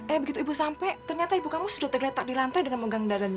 eh begitu ibu sampai ternyata ibu kamu sudah tergeletak di lantai dengan megang dadanya